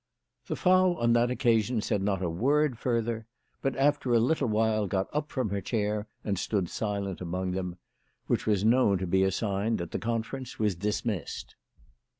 The Frau on that occasion said not a word further, but after a little while got up from her chair and stood silent among them ; which was known to be a sign that the conference was dismissed.